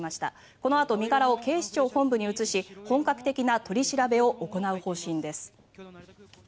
このあと身柄を警視庁本部に移し本格的な取り調べを行う方針です。